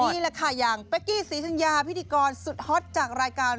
นี่แหละค่ะอย่างเป๊กกี้ศรีธัญญาพิธีกรสุดฮอตจากรายการ